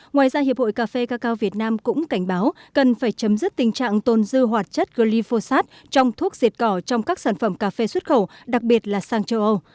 ngoài ra hiệp hội cà phê cà cao việt nam cũng cảnh báo cần phải chấm dứt tình trạng tôn dư hoạt chất glyphosate trong thuốc diệt cỏ trong các sản phẩm cà phê xuất khẩu đặc biệt là sang châu âu